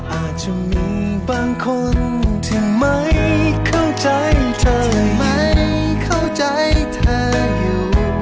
แม้ว่าอาจจะมีบางคนที่ไม่เข้าใจเธออยู่